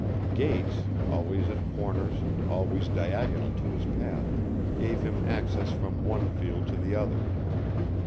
Gates, always at corners and always diagonal to his path, gave him access from one field to the other.